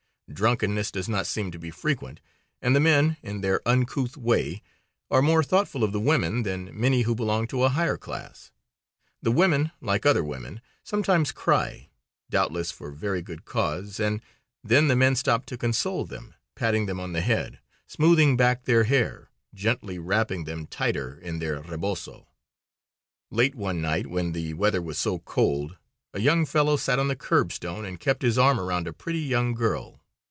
Drunkenness does not seem to be frequent, and the men, in their uncouth way, are more thoughtful of the women than many who belong to a higher class. The women, like other women, sometimes cry, doubtless for very good cause, and then the men stop to console them, patting them on the head, smoothing back their hair, gently wrapping them tighter in their rebozo. Late one night, when the weather was so cold, a young fellow sat on the curbstone and kept his arm around a pretty young girl.